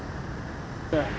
cảnh sát cơ động